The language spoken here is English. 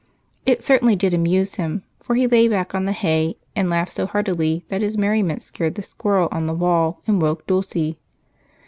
It certainly did amuse him, for he lay back on the hay and laughed so heartily that his merriment scared the squirrel on the wall and woke Dulce.